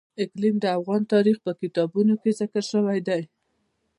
اقلیم د افغان تاریخ په کتابونو کې ذکر شوی دي.